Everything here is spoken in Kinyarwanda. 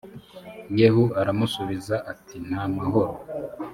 yehu aramusubiza ati nta mahoro